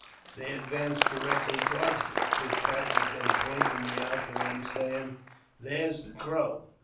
They advanced directly toward me. Fitzpatrick then pointed me out to them, saying, " There's the Crow."